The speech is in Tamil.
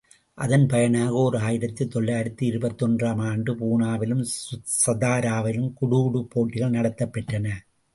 அதன் பயனாக ஓர் ஆயிரத்து தொள்ளாயிரத்து இருபத்தொன்று ஆம் ஆண்டு பூனாவிலும், சதாராவிலும் குடூடூ போட்டிகள் நடத்தப்பெற்றன.